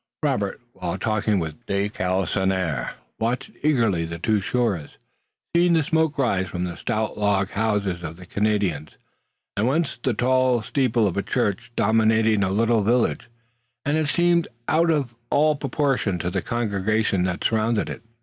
Robert, while talking with de Galisonnière, watched eagerly the two shores, seeing the smoke rise from the stout log houses of the Canadians, and once the tall steeple of a church dominating a little village, and seeming out of all proportion to the congregation that surrounded it.